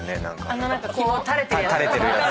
あの何か垂れてるやつ。